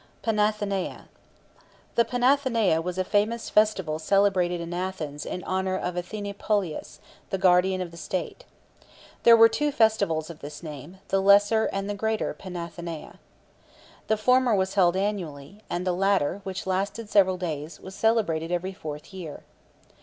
PANATHENÆA. The Panathenæa was a famous festival celebrated in Athens in honour of Athene Polias, the guardian of the state. There were two festivals of this name, the Lesser and the Greater Panathenæa. The former was held annually, and the latter, which lasted several days, was celebrated every fourth year.